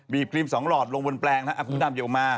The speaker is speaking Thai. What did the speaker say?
บีบครีม๒หลอดลงบนแปลงนะครับคุณดำเดี๋ยวออกมา